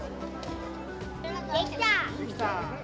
できた！